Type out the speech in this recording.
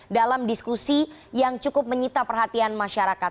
dalam diskusi yang cukup menyita perhatian masyarakat